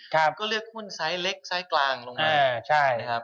ก็เลือกหุ้นไซส์เล็กไซส์กลางลงไป